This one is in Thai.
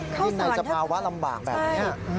เท่านั้นจะาวะลำบากแบบนี้ค่ะค่ะเม็ดหน่อย